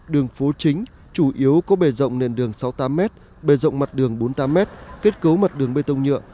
đường phố chính chủ yếu có bề rộng nền đường sáu mươi tám m bề rộng mặt đường bốn mươi tám m kết cấu mặt đường bê tông nhựa